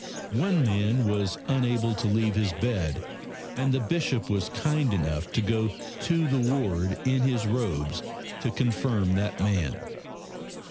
One man was unable to leave his bed, and the Bishop was kind enough to go to the ward in his robes to confirm the man.